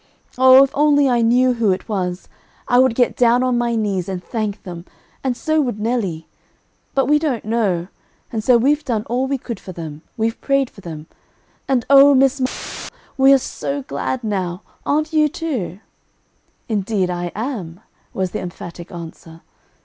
"Oh, if I only knew who it was, I would get down on my knees and thank them, and so would Nelly. But we don't know, and so we've done all we could for them, we've prayed for them, and Oh, Miss M , we are all so glad now. Aren't you too?" "Indeed I am," was the emphatic answer.